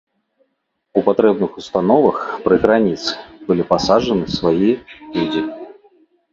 У патрэбных установах пры граніцы былі пасаджаны свае людзі.